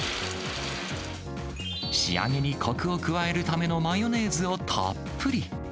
仕上げに、こくを加えるためのマヨネーズをたっぷり。